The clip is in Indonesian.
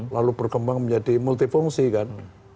lalu berkembang menjadi multifungsi kan